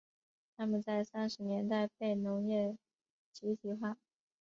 他们在三十年代被农业集体化。